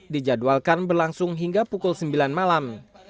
dijadwalkan berlangsung hingga pukul sembilan malam